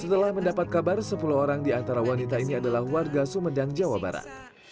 setelah mendapat kabar sepuluh orang di antara wanita ini adalah warga sumedang jawa barat